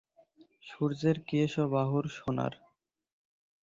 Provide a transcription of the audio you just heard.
সূর্যের কেশ ও বাহুর সোনার।